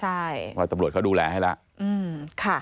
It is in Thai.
เพราะว่าตำรวจเขาดูแลให้แล้ว